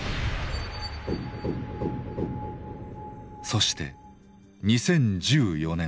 そして２０１４年。